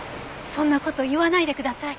そんな事言わないでください。